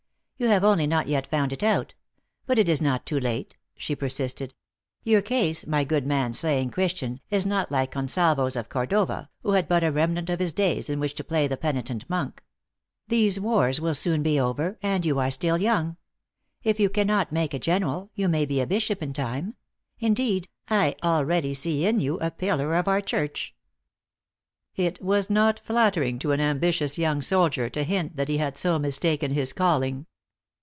" You have only not yet found it out. But it is not too late," she persisted. " Your case, my good man slaying Christian, is not like Gonsalvo s of Cor dova, who had but a remnant of his days in which to play the penitent monk. These wars will soon be over, and you are still young. If you cannot make a general, you may be a bishop in time. Indeed, I al ready see in you a pillar of our church." It was not flattering to an ambitious young soldier to hint that he had so mistaken his calling.